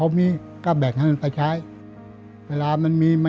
วันไหนไม่มีใครมาจ้างมาทำงานผมก็พาลูกไปหาปลา